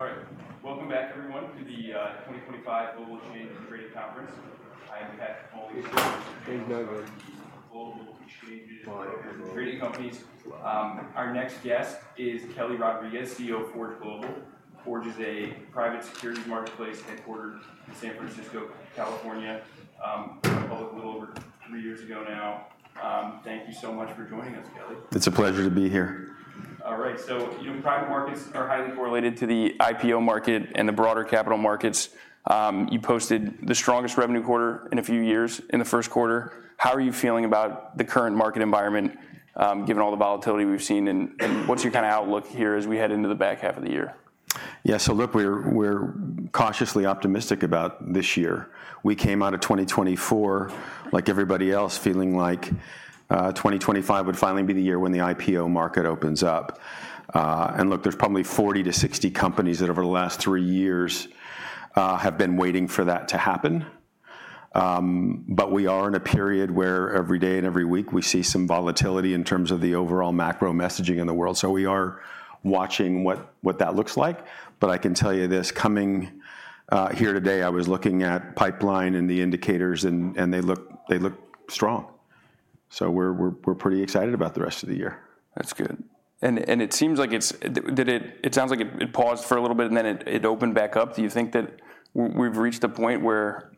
All right. Welcome back, everyone, to the 2025 Global Exchange and Trading Conference. I am Patrick Moley. Thanks, guys. Global Exchanges and Trading Companies. Our next guest is Kelly Rodriques, CEO of Forge Global. Forge is a private securities marketplace headquartered in San Francisco, California. They went public a little over three years ago now. Thank you so much for joining us, Kelly. It's a pleasure to be here. All right. Private markets are highly correlated to the IPO market and the broader capital markets. You posted the strongest revenue quarter in a few years in the first quarter. How are you feeling about the current market environment, given all the volatility we've seen? What's your kind of outlook here as we head into the back half of the year? Yeah. So look, we're cautiously optimistic about this year. We came out of 2024, like everybody else, feeling like 2025 would finally be the year when the IPO market opens up. And look, there's probably 40-60 companies that over the last three years have been waiting for that to happen. But we are in a period where every day and every week we see some volatility in terms of the overall macro messaging in the world. So we are watching what that looks like. But I can tell you this: coming here today, I was looking at pipeline and the indicators, and they look strong. So we're pretty excited about the rest of the year. That's good. It seems like it—it sounds like it paused for a little bit and then it opened back up. Do you think that we've reached a point where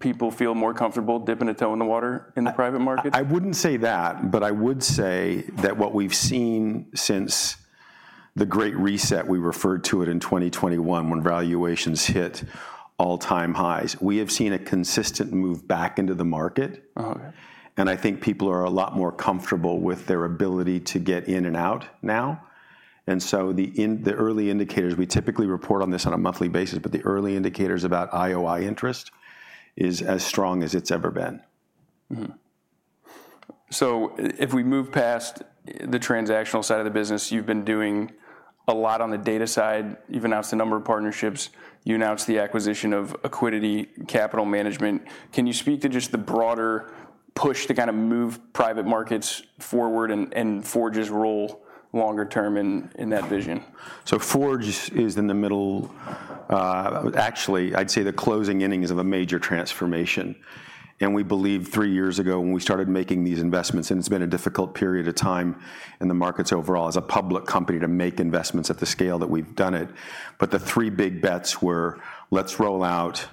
people feel more comfortable dipping a toe in the water in the private market? I wouldn't say that, but I would say that what we've seen since the Great Reset, we referred to it in 2021, when valuations hit all-time highs, we have seen a consistent move back into the market. I think people are a lot more comfortable with their ability to get in and out now. The early indicators—we typically report on this on a monthly basis—the early indicators about IOI interest are as strong as it's ever been. If we move past the transactional side of the business, you've been doing a lot on the data side. You've announced a number of partnerships. You announced the acquisition of Accuidity Capital Management. Can you speak to just the broader push to kind of move private markets forward and Forge's role longer term in that vision? Forge is in the middle—actually, I'd say the closing innings of a major transformation. We believe three years ago when we started making these investments, and it's been a difficult period of time in the markets overall as a public company to make investments at the scale that we've done it. The three big bets were: let's roll out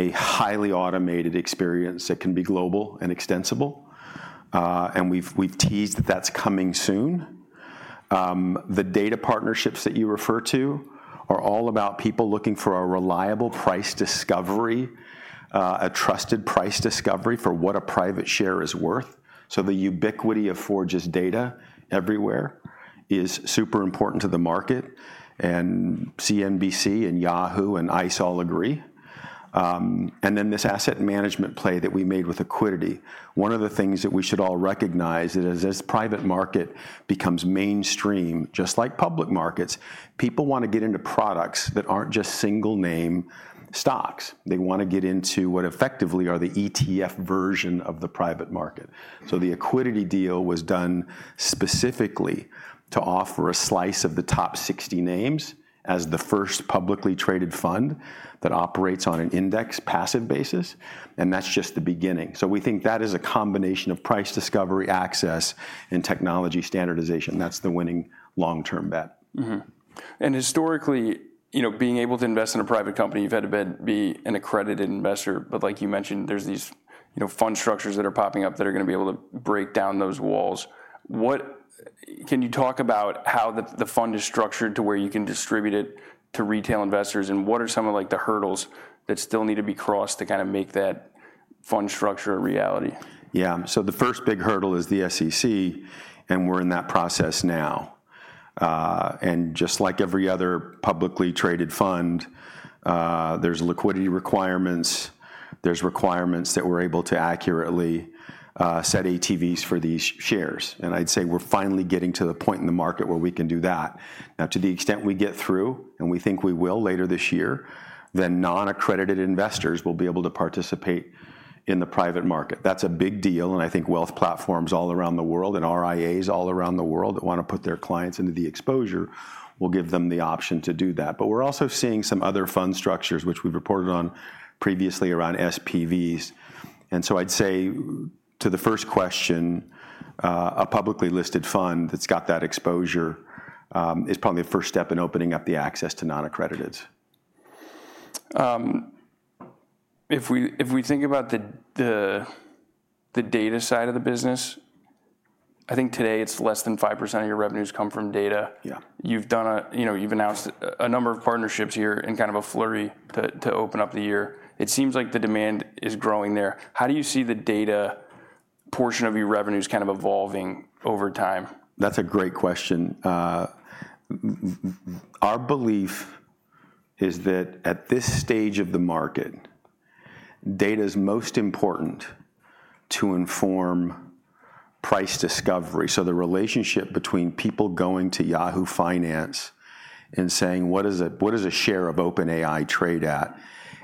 a highly automated experience that can be global and extensible. We've teased that that's coming soon. The data partnerships that you refer to are all about people looking for a reliable price discovery, a trusted price discovery for what a private share is worth. The ubiquity of Forge's data everywhere is super important to the market. CNBC and Yahoo and ICE all agree. This asset management play that we made with Accuidity, one of the things that we should all recognize is as private market becomes mainstream, just like public markets, people want to get into products that aren't just single-name stocks. They want to get into what effectively are the ETF version of the private market. The Accuidity deal was done specifically to offer a slice of the top 60 names as the first publicly traded fund that operates on an index passive basis. That is just the beginning. We think that is a combination of price discovery, access, and technology standardization. That is the winning long-term bet. Historically, being able to invest in a private company, you've had to be an accredited investor. Like you mentioned, there's these fund structures that are popping up that are going to be able to break down those walls. Can you talk about how the fund is structured to where you can distribute it to retail investors? What are some of the hurdles that still need to be crossed to kind of make that fund structure a reality? Yeah. The first big hurdle is the SEC, and we're in that process now. Just like every other publicly traded fund, there are liquidity requirements. There are requirements that we're able to accurately set ATVs for these shares. I'd say we're finally getting to the point in the market where we can do that. Now, to the extent we get through, and we think we will later this year, non-accredited investors will be able to participate in the private market. That's a big deal. I think wealth platforms all around the world and RIAs all around the world that want to put their clients into the exposure will give them the option to do that. We're also seeing some other fund structures, which we've reported on previously around SPVs. I'd say to the first question, a publicly listed fund that's got that exposure is probably the first step in opening up the access to non-accrediteds. If we think about the data side of the business, I think today it's less than 5% of your revenues come from data. You've announced a number of partnerships here in kind of a flurry to open up the year. It seems like the demand is growing there. How do you see the data portion of your revenues kind of evolving over time? That's a great question. Our belief is that at this stage of the market, data is most important to inform price discovery. The relationship between people going to Yahoo Finance and saying, "What does a share of OpenAI trade at?"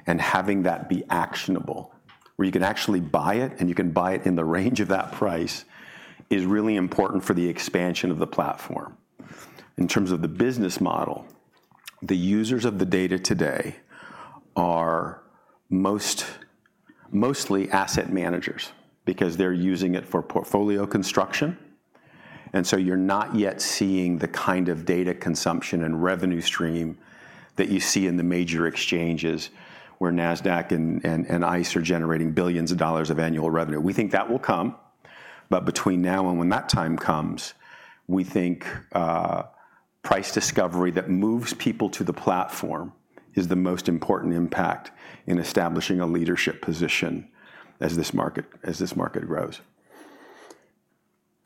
and having that be actionable, where you can actually buy it and you can buy it in the range of that price, is really important for the expansion of the platform. In terms of the business model, the users of the data today are mostly asset managers because they're using it for portfolio construction. You're not yet seeing the kind of data consumption and revenue stream that you see in the major exchanges where Nasdaq and ICE are generating billions of dollars of annual revenue. We think that will come. Between now and when that time comes, we think price discovery that moves people to the platform is the most important impact in establishing a leadership position as this market grows.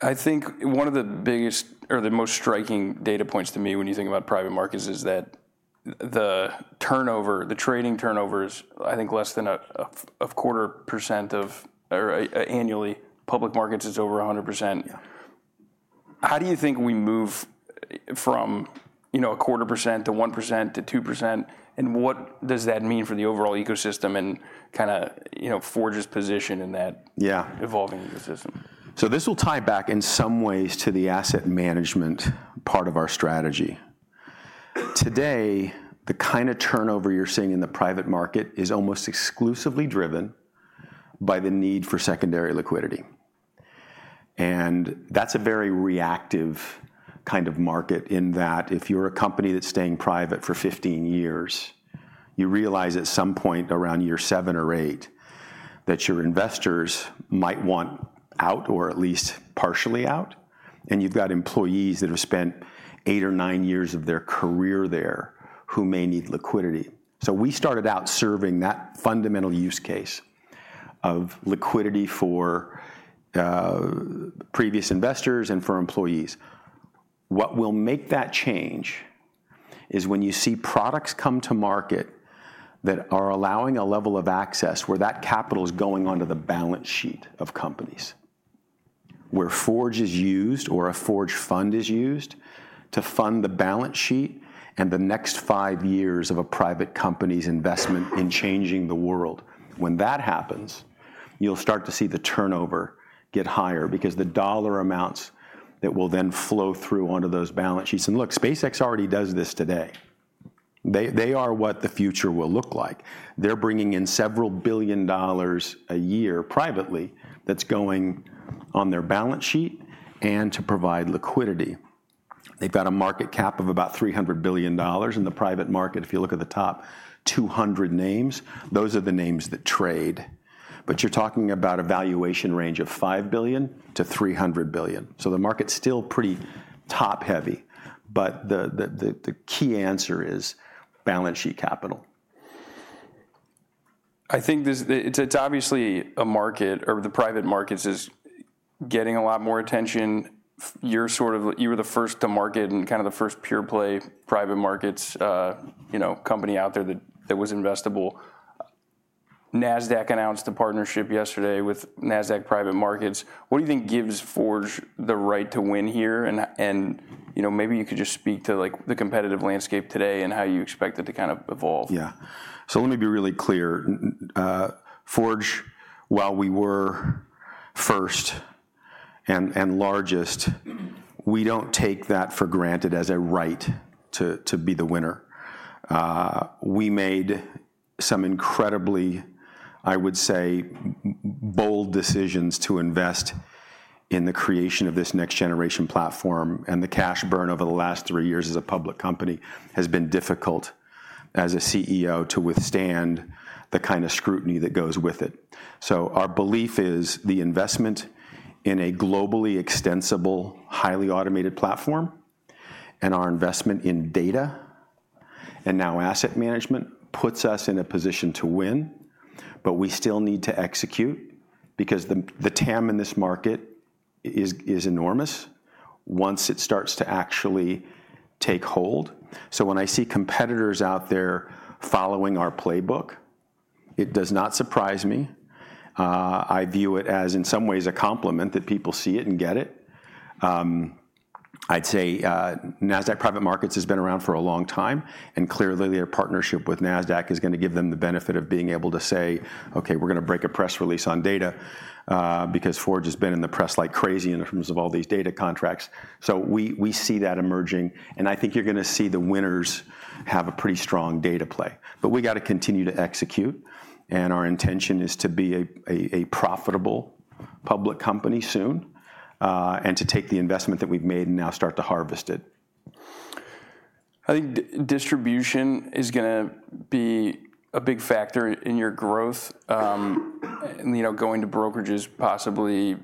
I think one of the biggest or the most striking data points to me when you think about private markets is that the turnover, the trading turnover is, I think, less than 0.25% annually. Public markets is over 100%. How do you think we move from 0.25% to 1% to 2%? What does that mean for the overall ecosystem and kind of Forge's position in that evolving ecosystem? This will tie back in some ways to the asset management part of our strategy. Today, the kind of turnover you're seeing in the private market is almost exclusively driven by the need for secondary liquidity. That's a very reactive kind of market in that if you're a company that's staying private for 15 years, you realize at some point around year seven or eight that your investors might want out or at least partially out. You've got employees that have spent eight or nine years of their career there who may need liquidity. We started out serving that fundamental use case of liquidity for previous investors and for employees. What will make that change is when you see products come to market that are allowing a level of access where that capital is going onto the balance sheet of companies, where Forge is used or a Forge fund is used to fund the balance sheet and the next five years of a private company's investment in changing the world. When that happens, you'll start to see the turnover get higher because the dollar amounts that will then flow through onto those balance sheets. Look, SpaceX already does this today. They are what the future will look like. They're bringing in several billion dollars a year privately that's going on their balance sheet and to provide liquidity. They've got a market cap of about $300 billion. In the private market, if you look at the top 200 names, those are the names that trade. You're talking about a valuation range of $5 billion-$300 billion. The market's still pretty top-heavy. The key answer is balance sheet capital. I think it's obviously a market, or the private markets is getting a lot more attention. You were the first to market and kind of the first pure-play private markets company out there that was investable. Nasdaq announced a partnership yesterday with Nasdaq Private Markets. What do you think gives Forge the right to win here? Maybe you could just speak to the competitive landscape today and how you expect it to kind of evolve. Yeah. Let me be really clear. Forge, while we were first and largest, we do not take that for granted as a right to be the winner. We made some incredibly, I would say, bold decisions to invest in the creation of this next-generation platform. The cash burn over the last three years as a public company has been difficult as a CEO to withstand the kind of scrutiny that goes with it. Our belief is the investment in a globally extensible, highly automated platform and our investment in data and now asset management puts us in a position to win. We still need to execute because the TAM in this market is enormous once it starts to actually take hold. When I see competitors out there following our playbook, it does not surprise me. I view it as, in some ways, a compliment that people see it and get it. I'd say Nasdaq Private Markets has been around for a long time. Clearly, their partnership with Nasdaq is going to give them the benefit of being able to say, "Okay, we're going to break a press release on data because Forge has been in the press like crazy in terms of all these data contracts." We see that emerging. I think you're going to see the winners have a pretty strong data play. We got to continue to execute. Our intention is to be a profitable public company soon and to take the investment that we've made and now start to harvest it. I think distribution is going to be a big factor in your growth, going to brokerages possibly.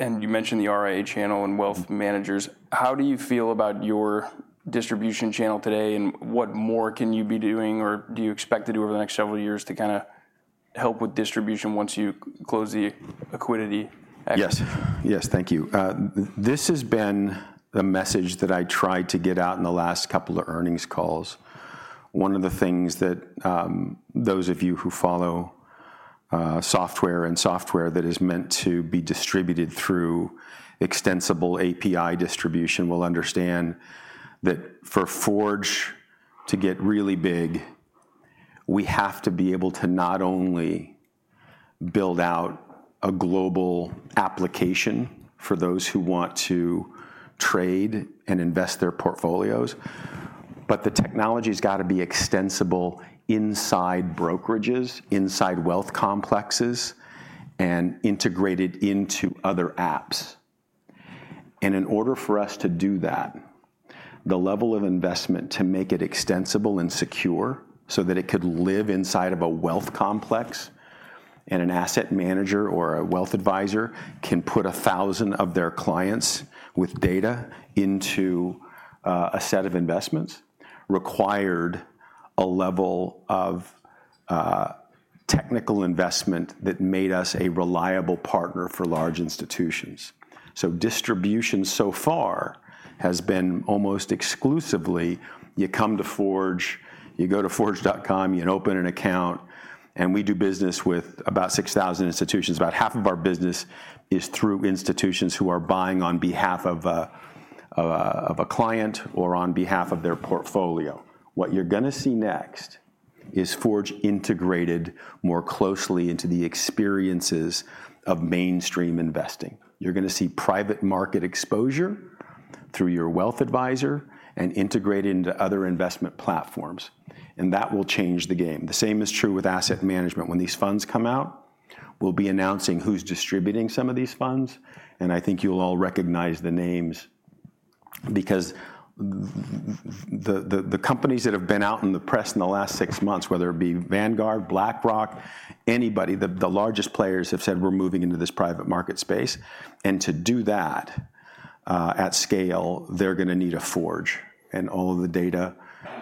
You mentioned the RIA channel and wealth managers. How do you feel about your distribution channel today? What more can you be doing or do you expect to do over the next several years to kind of help with distribution once you close the equity exit? Yes. Yes. Thank you. This has been the message that I tried to get out in the last couple of earnings calls. One of the things that those of you who follow software and software that is meant to be distributed through extensible API distribution will understand that for Forge to get really big, we have to be able to not only build out a global application for those who want to trade and invest their portfolios, but the technology has got to be extensible inside brokerages, inside wealth complexes, and integrated into other apps. In order for us to do that, the level of investment to make it extensible and secure so that it could live inside of a wealth complex and an asset manager or a wealth advisor can put 1,000 of their clients with data into a set of investments required a level of technical investment that made us a reliable partner for large institutions. Distribution so far has been almost exclusively, you come to Forge, you go to forge.com, you open an account, and we do business with about 6,000 institutions. About half of our business is through institutions who are buying on behalf of a client or on behalf of their portfolio. What you're going to see next is Forge integrated more closely into the experiences of mainstream investing. You're going to see private market exposure through your wealth advisor and integrated into other investment platforms. That will change the game. The same is true with asset management. When these funds come out, we'll be announcing who's distributing some of these funds. I think you'll all recognize the names because the companies that have been out in the press in the last six months, whether it be Vanguard, BlackRock, anybody, the largest players have said, "We're moving into this private market space." To do that at scale, they're going to need a Forge and all of the data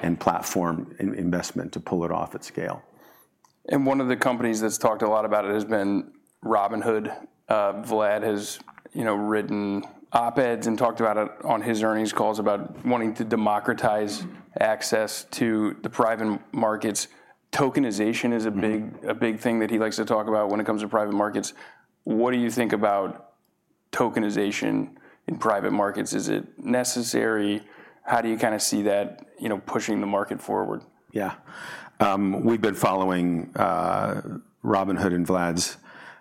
and platform investment to pull it off at scale. One of the companies that's talked a lot about it has been Robinhood. Vlad has written op-eds and talked about it on his earnings calls about wanting to democratize access to the private markets. Tokenization is a big thing that he likes to talk about when it comes to private markets. What do you think about tokenization in private markets? Is it necessary? How do you kind of see that pushing the market forward? Yeah. We've been following Robinhood and Vlad's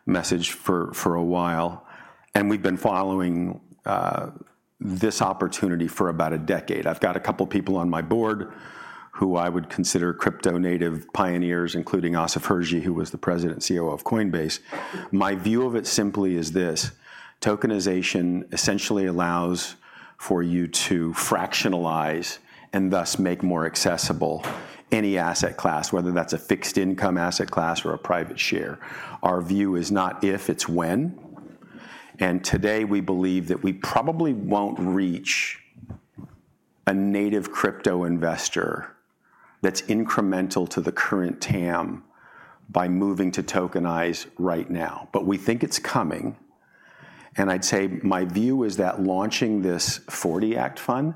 message for a while. We've been following this opportunity for about a decade. I've got a couple of people on my board who I would consider crypto-native pioneers, including Asiff Hirji, who was the President and COO of Coinbase. My view of it simply is this: tokenization essentially allows for you to fractionalize and thus make more accessible any asset class, whether that's a fixed-income asset class or a private share. Our view is not if, it's when. Today, we believe that we probably won't reach a native crypto investor that's incremental to the current TAM by moving to tokenize right now. We think it's coming. I'd say my view is that launching this 1940 Act fund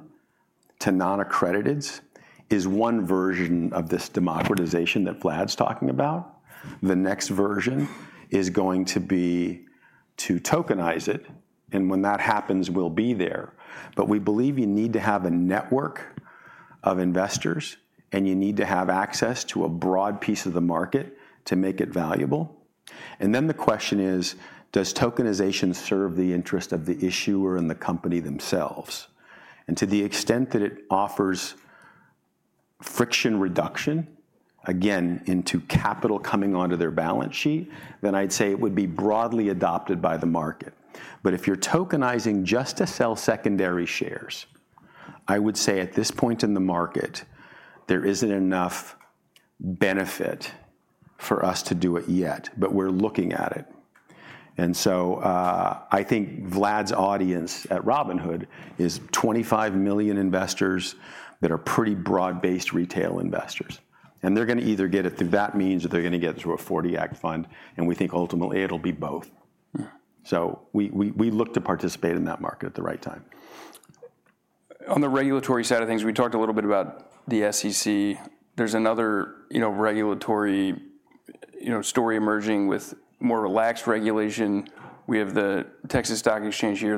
to non-accrediteds is one version of this democratization that Vlad's talking about. The next version is going to be to tokenize it. When that happens, we'll be there. We believe you need to have a network of investors, and you need to have access to a broad piece of the market to make it valuable. The question is, does tokenization serve the interest of the issuer and the company themselves? To the extent that it offers friction reduction, again, into capital coming onto their balance sheet, I'd say it would be broadly adopted by the market. If you're tokenizing just to sell secondary shares, I would say at this point in the market, there isn't enough benefit for us to do it yet. We're looking at it. I think Vlad's audience at Robinhood is 25 million investors that are pretty broad-based retail investors. They're going to either get it through that means or they're going to get it through a 1940 Act fund. We think ultimately it'll be both. We look to participate in that market at the right time. On the regulatory side of things, we talked a little bit about the SEC. There's another regulatory story emerging with more relaxed regulation. We have the Texas Stock Exchange here.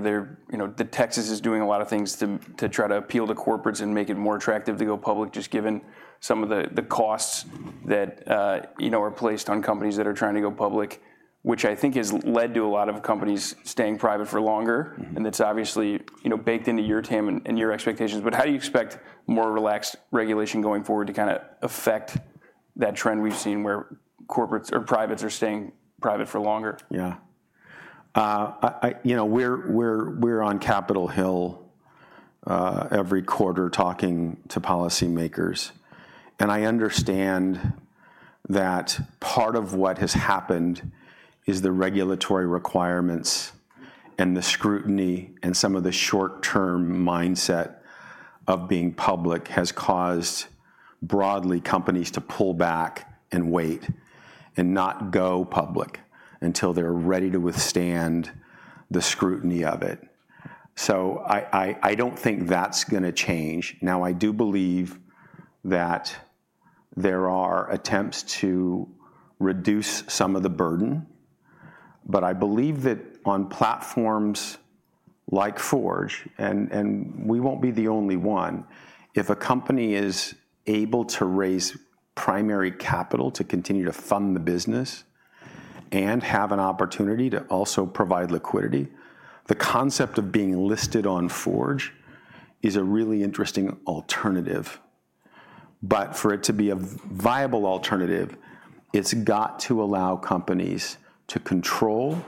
Texas is doing a lot of things to try to appeal to corporates and make it more attractive to go public, just given some of the costs that are placed on companies that are trying to go public, which I think has led to a lot of companies staying private for longer. That's obviously baked into your TAM and your expectations. How do you expect more relaxed regulation going forward to kind of affect that trend we've seen where corporates or privates are staying private for longer? Yeah. We're on Capitol Hill every quarter talking to policymakers. I understand that part of what has happened is the regulatory requirements and the scrutiny and some of the short-term mindset of being public has caused broadly companies to pull back and wait and not go public until they're ready to withstand the scrutiny of it. I don't think that's going to change. I do believe that there are attempts to reduce some of the burden. I believe that on platforms like Forge, and we won't be the only one, if a company is able to raise primary capital to continue to fund the business and have an opportunity to also provide liquidity, the concept of being listed on Forge is a really interesting alternative. For it to be a viable alternative, it's got to allow companies to control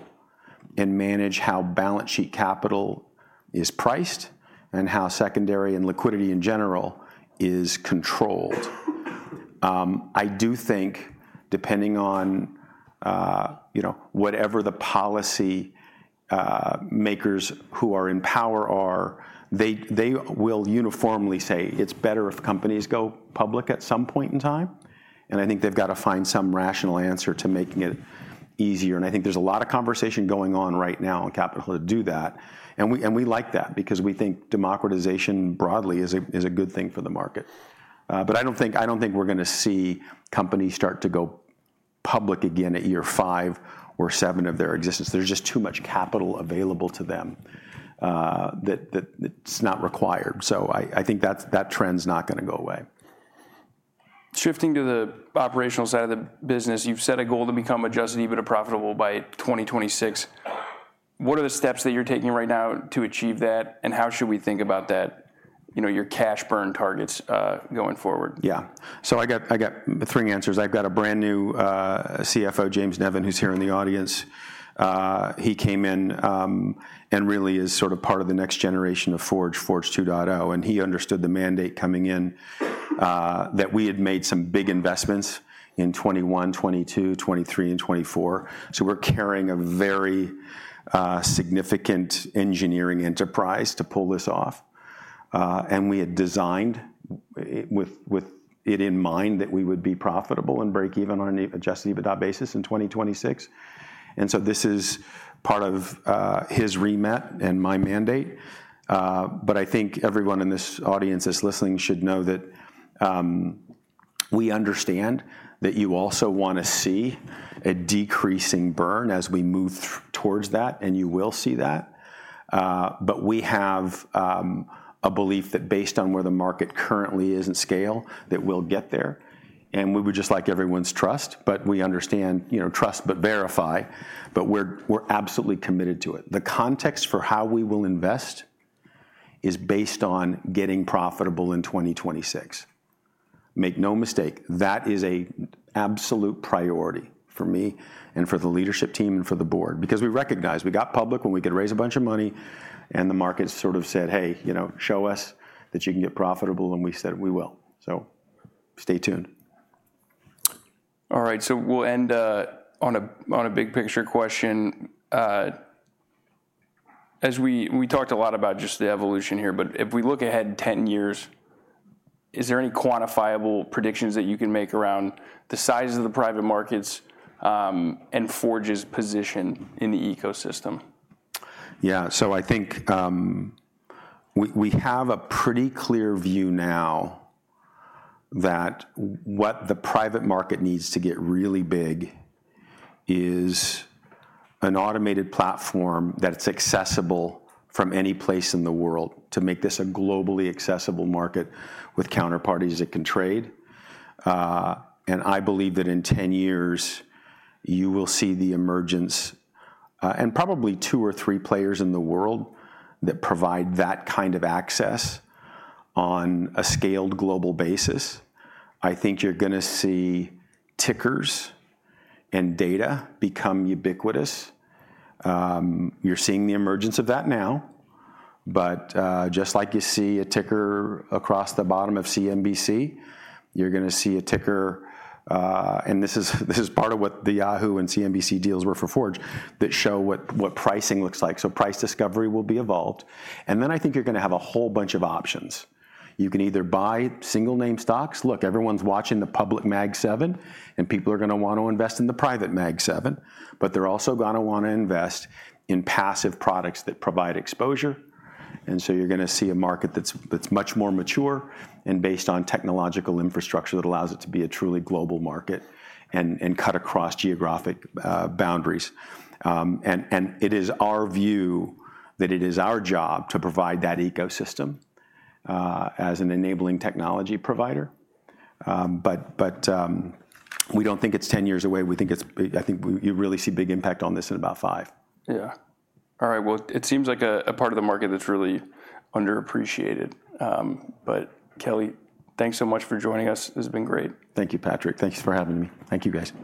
and manage how balance sheet capital is priced and how secondary and liquidity in general is controlled. I do think, depending on whatever the policymakers who are in power are, they will uniformly say it's better if companies go public at some point in time. I think they've got to find some rational answer to making it easier. I think there's a lot of conversation going on right now on Capitol Hill to do that. We like that because we think democratization broadly is a good thing for the market. I don't think we're going to see companies start to go public again at year five or seven of their existence. There's just too much capital available to them that's not required. I think that trend's not going to go away. Shifting to the operational side of the business, you've set a goal to become Adjusted EBITDA profitable by 2026. What are the steps that you're taking right now to achieve that? How should we think about your cash burn targets going forward? Yeah. I got three answers. I have a brand new CFO, James Nevin, who's here in the audience. He came in and really is sort of part of the next generation of Forge, Forge 2.0. He understood the mandate coming in that we had made some big investments in 2021, 2022, 2023, and 2024. We are carrying a very significant engineering enterprise to pull this off. We had designed with it in mind that we would be profitable and break-even on an Adjusted EBITDA basis in 2026. This is part of his remit and my mandate. I think everyone in this audience that's listening should know that we understand that you also want to see a decreasing burn as we move towards that. You will see that. We have a belief that based on where the market currently is in scale, that we'll get there. We would just like everyone's trust. We understand trust, but verify. We're absolutely committed to it. The context for how we will invest is based on getting profitable in 2026. Make no mistake, that is an absolute priority for me and for the leadership team and for the board. We recognize we got public when we could raise a bunch of money. The market sort of said, "Hey, show us that you can get profitable." We said, "We will." Stay tuned. All right. So we'll end on a big picture question. We talked a lot about just the evolution here. If we look ahead 10 years, is there any quantifiable predictions that you can make around the size of the private markets and Forge's position in the ecosystem? Yeah. So I think we have a pretty clear view now that what the private market needs to get really big is an automated platform that's accessible from any place in the world to make this a globally accessible market with counterparties that can trade. I believe that in 10 years, you will see the emergence and probably two or three players in the world that provide that kind of access on a scaled global basis. I think you're going to see tickers and data become ubiquitous. You're seeing the emergence of that now. Just like you see a ticker across the bottom of CNBC, you're going to see a ticker, and this is part of what the Yahoo and CNBC deals were for Forge, that show what pricing looks like. Price discovery will be evolved. I think you're going to have a whole bunch of options. You can either buy single-name stocks. Look, everyone's watching the public Mag 7, and people are going to want to invest in the private Mag 7. They're also going to want to invest in passive products that provide exposure. You're going to see a market that's much more mature and based on technological infrastructure that allows it to be a truly global market and cut across geographic boundaries. It is our view that it is our job to provide that ecosystem as an enabling technology provider. We don't think it's 10 years away. I think you really see big impact on this in about five. Yeah. All right. It seems like a part of the market that's really underappreciated. Kelly, thanks so much for joining us. This has been great. Thank you, Patrick. Thanks for having me. Thank you guys.